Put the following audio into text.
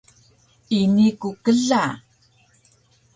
Ini ku kla!